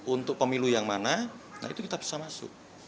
untuk pemilu yang mana nah itu kita bisa masuk